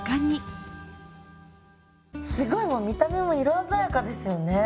すごいもう見た目も色鮮やかですよね。